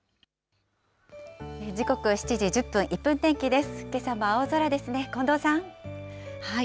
時刻７時１０分、１分天気です。